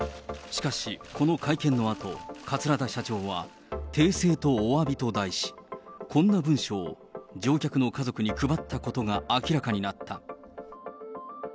しかし、この会見のあと、桂田社長は訂正とおわびと題し、こんな文書を乗客の家族に配ったことが明らかになった。